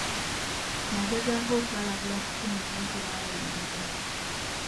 Nagezaako okubalabula ku kino naye tebaawuliriza.